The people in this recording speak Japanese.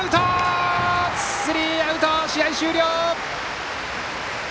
スリーアウト、試合終了！